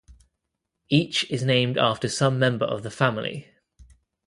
Each is named after some member of the family.